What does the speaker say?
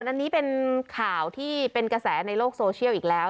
อันนี้เป็นข่าวที่เป็นกระแสในโลกโซเชียลอีกแล้ว